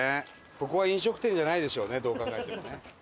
ここは飲食店じゃないでしょうねどう考えてもね。